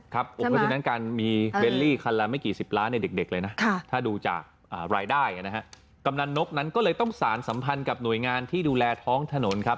เพราะฉะนั้นการมีเบลลี่คันละไม่กี่สิบล้านในเด็กเลยนะถ้าดูจากรายได้กำนันนกนั้นก็เลยต้องสารสัมพันธ์กับหน่วยงานที่ดูแลท้องถนนครับ